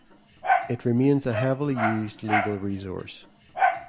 It remains a heavily used legal resource.